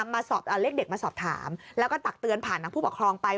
เรียกเด็กมาสอบถามแล้วก็ตักเตือนผ่านทางผู้ปกครองไป